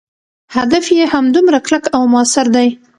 هدف یې همدومره کلک او موثر دی.